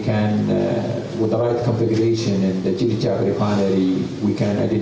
dan setelah selesai dengan pekerjaan yang kita mulai dengan teknik asas di kilang celacap